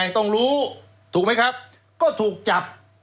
ถูกไหมครับก็ถูกจับ